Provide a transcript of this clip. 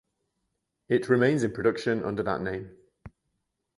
It remains in production under that name.